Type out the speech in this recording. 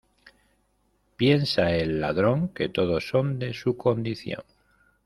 Piensa el ladrón que todos son de su condición.